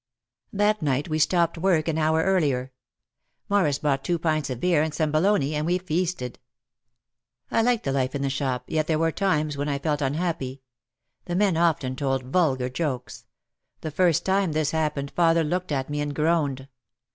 That night we stopped work an hour earlier. Morris bought two pints of beer and some bologna and we feasted. I liked the life in the shop yet there were times when I felt unhappy. The men often told vulgar jokes. The first time this happened father looked at me and groaned.